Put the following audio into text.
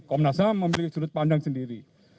komnas ham memiliki sudut pandang sendiri